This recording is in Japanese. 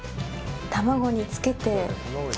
卵につけて。